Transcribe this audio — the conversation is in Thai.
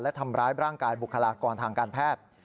และทำร้ายร่างกายบุคลากรทางการแพทย์